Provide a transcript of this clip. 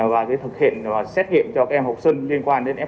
và cái thực hiện và sách nghiệm cho các em học sinh liên quan đến f f một